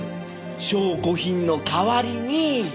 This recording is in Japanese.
証拠品の代わりに！